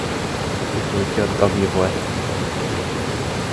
Utódja Dagi volt.